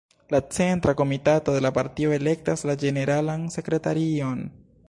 La Centra Komitato de la partio elektas la Ĝeneralan Sekretarion.